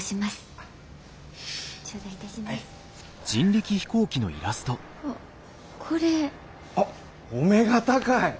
あっお目が高い！